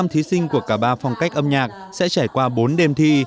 một mươi thí sinh của cả ba phong cách âm nhạc sẽ trải qua bốn đêm thi